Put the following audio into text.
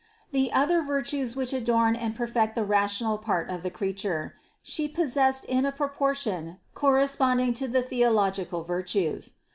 227. The other virtues which adorn and perfect the rational part of the creature, She possessed in a pro portion corresponding to the theological virtues.